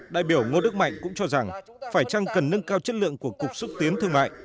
đại biểu ngô đức mạnh cũng cho rằng phải chăng cần nâng cao chất lượng của cục xúc tiến thương mại